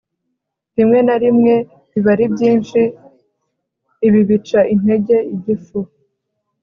rimwe na rimwe biba ari byinshi Ibi bica intege igifu